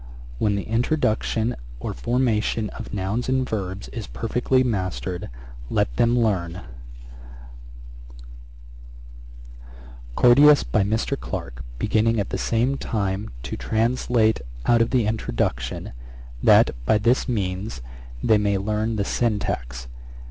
'When the introduction, or formation of nouns and verbs, is perfectly mastered, let them learn: 'Corderius by Mr. Clarke, beginning at the same time to translate out of the introduction, that by this means they may learn the syntax.